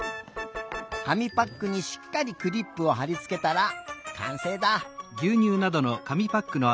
紙パックにしっかりクリップをはりつけたらかんせいだ。